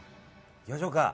いきましょうか。